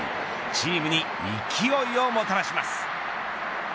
チームに勢いをもたらします。